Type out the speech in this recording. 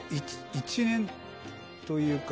１年というか。